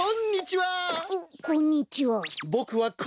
こんにちは！